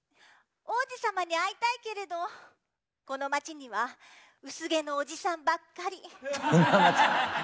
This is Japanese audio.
王子様に会いたいけれどこの町には薄毛のおじさんばっかり。